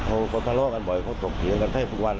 เขาก็ทะเลาะกันบ่อยเขาถกเถียงกันแทบทุกวัน